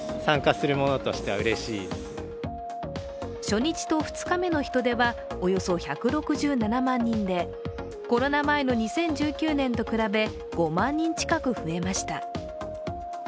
初日と２日目の人出はおよそ１６７万人でコロナ前の２０１９年と比べ５万人近く増えました。